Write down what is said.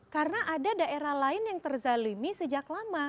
karena ada daerah lain yang terzalimi sejak lama